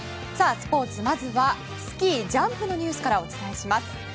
スポーツまずはスキージャンプのニュースからお伝えします。